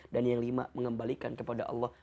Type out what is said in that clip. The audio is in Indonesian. dan yang lima mengembalikan kepada allah